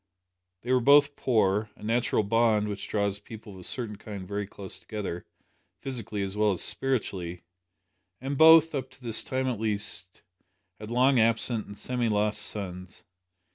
They were both poor a natural bond which draws people of a certain kind very close together, physically as well as spiritually and both, up to this time at least, had long absent and semi lost sons.